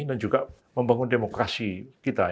dan juga membangun demokrasi kita